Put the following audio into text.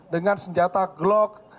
dengan senjata glock